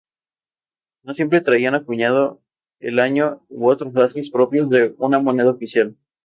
No siempre traían acuñado el año u otros rasgos propios de una moneda oficial.